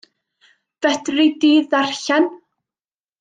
Fedri di ddarllen?